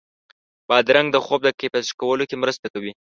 بادرنګ د خوب د کیفیت ښه کولو کې مرسته کوي.